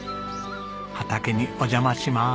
畑にお邪魔します。